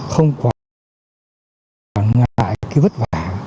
không quản ngại cái vất vả